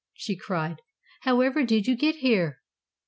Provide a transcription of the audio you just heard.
she cried. "However did you get here?"